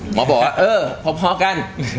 หมอบอกว่าเออพอกัน